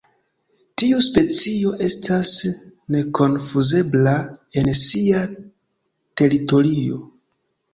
Tiu specio estas nekonfuzebla en sia teritorio.